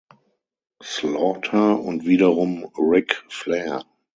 Slaughter und wiederum Ric Flair.